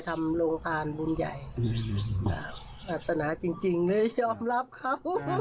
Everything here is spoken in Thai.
ทำโรงทานบุญใหญ่ศาสนาจริงเลยยอมรับเขา